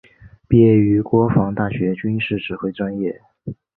毕业于国防大学军事指挥专业。